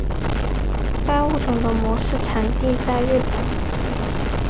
该物种的模式产地在日本。